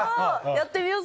やってみよう！